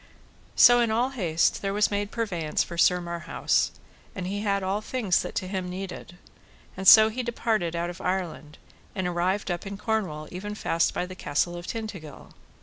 So in all haste there was made purveyance for Sir Marhaus, and he had all things that to him needed; and so he departed out of Ireland, and arrived up in Cornwall even fast by the Castle of Tintagil.